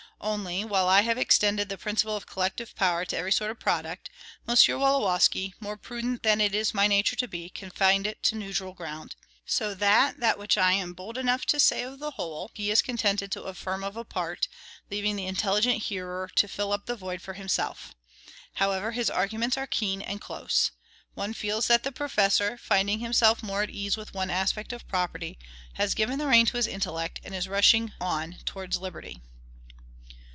Only, while I have extended the principle of collective power to every sort of product, M. Wolowski, more prudent than it is my nature to be, confines it to neutral ground. So, that that which I am bold enough to say of the whole, he is contented to affirm of a part, leaving the intelligent hearer to fill up the void for himself. However, his arguments are keen and close. One feels that the professor, finding himself more at ease with one aspect of property, has given the rein to his intellect, and is rushing on towards liberty.